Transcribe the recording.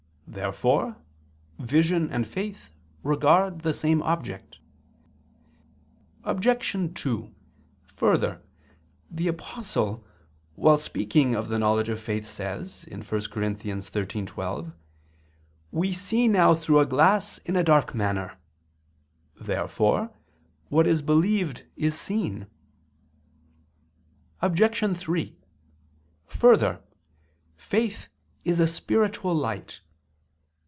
Therefore vision and faith regard the same object. Obj. 2: Further, the Apostle, while speaking of the knowledge of faith, says (1 Cor. 13:12): "We see now through a glass in a dark manner." Therefore what is believed is seen. Obj. 3: Further, faith is a spiritual light.